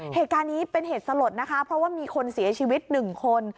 เหตุการณ์นี้เป็นเหตุสลดนะคะเพราะว่ามีคนเสียชีวิตหนึ่งคน